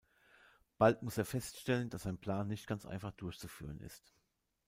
Bald muss er feststellen, dass sein Plan nicht ganz einfach durchzuführen ist.